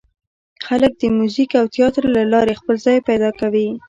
خلک د موزیک او تیاتر له لارې خپل ځای پیدا کوي.